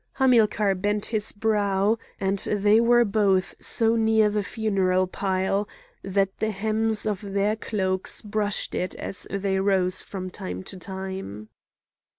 Hamilcar bent his brow; and they were both so near the funeral pile that the hems of their cloaks brushed it as they rose from time to time.